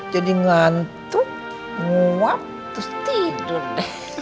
jadi ngantuk nguap terus tidur